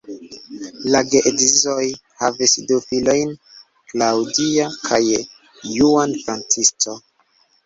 La geedzoj havis du filojn, Claudia kaj Juan Francisco.